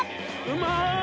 うまーい！